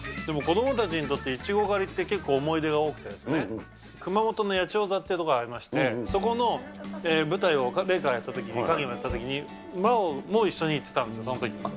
でも子どもたちにとって、イチゴ狩りって結構思い出が多くて、熊本の八千代座という所がありまして、ありまして、そこの舞台を麗禾がやったときに、勸玄がやったときに、麻央も一緒に行ってたんですよ、そのとき。